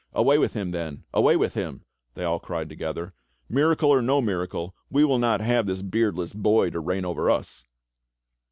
"Away with him, then, away with him!" they all cried together. "Miracle or no miracle, we will not have this beardless boy to reign over us!"